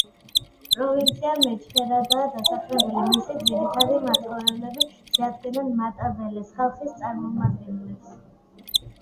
პროვინცია მეჩხერადაა დასახლებული, მისი ძირითადი მაცხოვრებლები შეადგენენ მატაბელეს ხალხის წარმომადგენლებს.